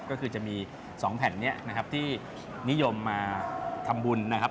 ก็คือจะมี๒แผ่นนี้นะครับที่นิยมมาทำบุญนะครับ